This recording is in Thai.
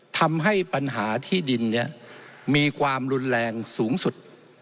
ทำให้ปัญหาที่ดินนี้มีความรุนแรงสูงสุด